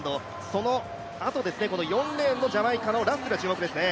そのあと、４レーンのジャマイカのラッセル、注目ですね。